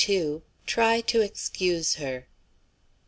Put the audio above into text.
Try to Excuse Her.